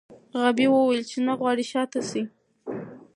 غابي وویل چې نه غواړي شا ته شي.